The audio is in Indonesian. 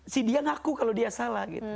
si dia ngaku kalau dia salah